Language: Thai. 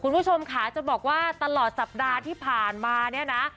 คุณผู้ชมค่ะจะบอกว่าตลอดสัปดาห์ที่ผ่านมาเนี่ยนะ